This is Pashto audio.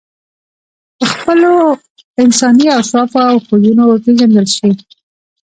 په خپلو انساني اوصافو او خویونو وپېژندل شې.